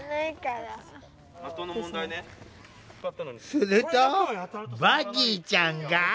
するとヴァギーちゃんが。